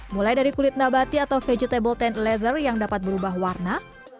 mulai dari kulit nabati atau vegetable sepuluh laser yang dapat berubah warna